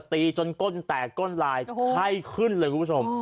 ตีจนก้นแตกก้นลายไข้ขึ้นเลยคุณผู้ชม